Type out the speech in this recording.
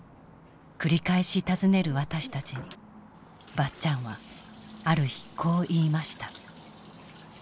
繰り返し尋ねる私たちにばっちゃんはある日こう言いました。